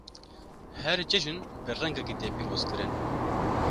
Her cejin bi rengekî tê pîrozkirin.